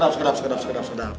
sedap sedap sedap